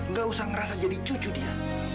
gak usah ngerasa jadi cucu dia